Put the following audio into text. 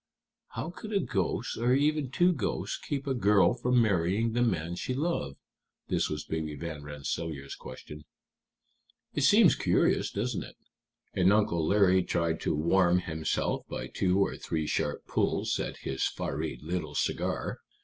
"How could a ghost, or even two ghosts, keep a girl from marrying the man she loved?" This was Baby Van Rensselaer's question. "It seems curious, doesn't it?" and Uncle Larry tried to warm himself by two or three sharp pulls at his fiery little cigar.